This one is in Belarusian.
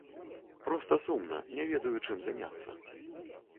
Проста сумна, не ведаю, чым заняцца.